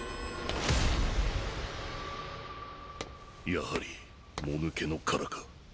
やはりもぬけの殻か。